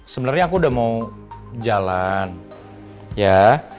sebenarnya aku udah mau jalan ya